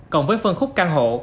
còn với phân khúc căn hộ